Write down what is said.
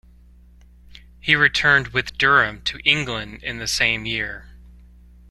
He returned with Durham to England in the same year.